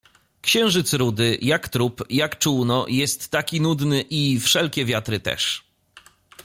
Księżyc «rudy», «jak trup», «jak czółno» jest taki nudny i «wszelkie wiatry» też.